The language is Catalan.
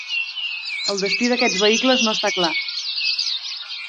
El destí d'aquests vehicles no està clar.